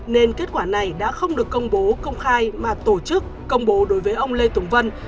nên kết quả này đã không được công bố công khai mà tổ chức công bố đối với ông lê tùng vân